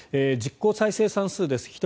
実効再生産数です。